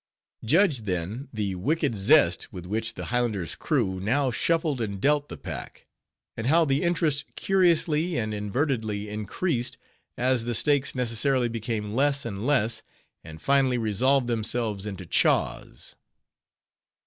Judge, then, the wicked zest with which the Highlander's crew now shuffled and dealt the pack; and how the interest curiously and invertedly increased, as the stakes necessarily became less and less; and finally resolved themselves into _"chaws."